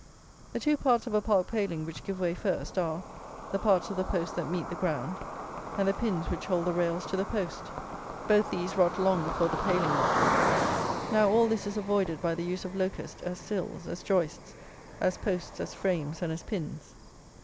The two parts of a park pailing which give way first, are, the parts of the post that meet the ground, and the pins which hold the rails to the post. Both these rot long before the pailing rots. Now, all this is avoided by the use of locust as sills, as joists, as posts, as frames, and as pins.